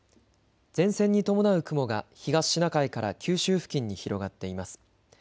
前線に伴う雲が東シナ海から九州付近に広がっています。